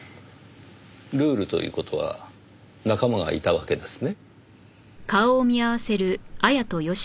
ルールという事は仲間がいたわけですね？